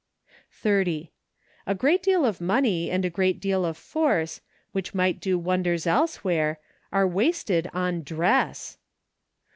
'" 30. A great deal of money and a great deal of force, which might do wonders else¬ where, are wasted on dress.